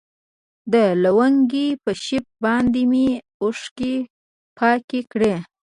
د لونګۍ په شف باندې مې اوښكې پاكې كړي.